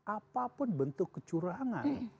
apapun bentuk kecurangan